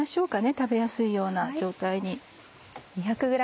食べやすいような状態に。